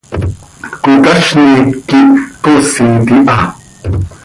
Cocazni quih coosit iha.